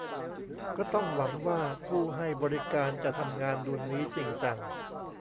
ก็ต้องหวังว่าผู้ให้บริการจะทำงานดุลนี้จริงจัง